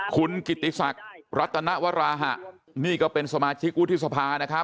คุณกิติศักดิ์รัตนวราหะนี่ก็เป็นสมาชิกวุฒิสภานะครับ